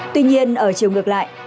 tuy nhiên ở chiều ngược lại